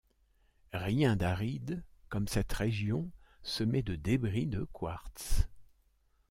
Rien d’aride comme cette région semée de débris de quartz.